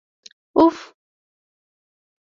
افغ